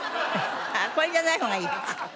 あっこれじゃない方がいい？